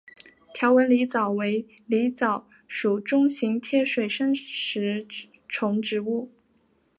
条纹狸藻为狸藻属中型贴水生食虫植物。